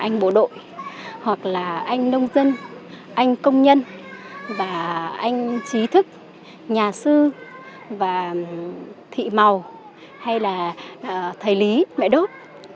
anh bộ đội hoặc là anh nông dân anh công nhân và anh trí thức nhà sư và thị màu hay là thầy lý mẹ đốt